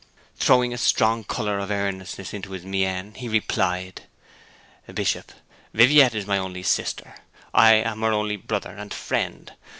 Throwing a strong colour of earnestness into his mien he replied: 'Bishop, Viviette is my only sister; I am her only brother and friend.